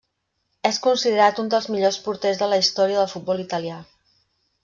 És considerat un dels millors porters de la història del futbol italià.